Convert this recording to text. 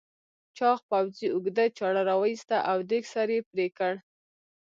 چاغ پوځي اوږده چاړه راوایسته او دېگ سر یې پرې کړ.